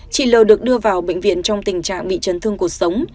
chị l được đưa vào bệnh viện trong tình trạng bị chấn thương cuộc sống